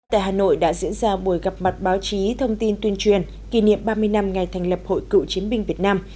tại hà nội đã diễn ra buổi gặp mặt báo chí thông tin tuyên truyền kỷ niệm ba mươi năm ngày thành lập hội cựu chiến binh việt nam